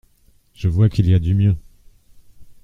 Je vois qu’il y a du mieux.